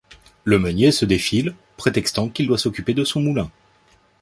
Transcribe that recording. Le meunier se défile, prétextant qu'il doit s'occuper de son moulin.